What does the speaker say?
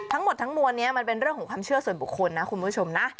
ทั้งหมดทั้งมวลนี้มันเป็นเรื่องของความเชื่อส่วนบุคคลนะคุณผู้ชมนะ